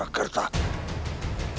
jangan jemoboh suraka